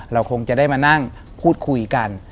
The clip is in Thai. เราคงจะได้มานั่งพูดคุยกัน